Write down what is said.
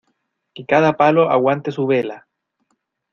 Que cada palo aguante su vela.